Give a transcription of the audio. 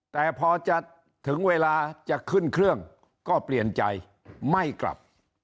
แต่พอจะถึงเวลาจะขึ้นเครื่องก็เปลี่ยนใจไม่กลับ